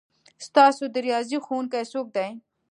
ستاسو د ریاضي ښؤونکی څوک دی؟